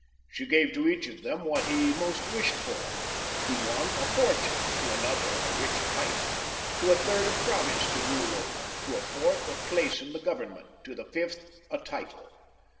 She gave to each of them what he most wished for ; to one a fortune, to another a rich wife, to a third a province to rule oVer, to a fourth a place in the Government, to a fifth a title.